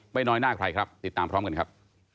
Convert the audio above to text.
ไม่น้อยหน้าใครครับติดตามพร้อมกันครับ